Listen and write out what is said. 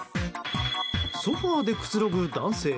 ソファでくつろぐ男性。